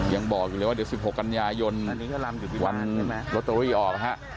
ยังบอกเลยว่าเดี๋ยว๑๖กันยายนวันรถโตริออกฮะ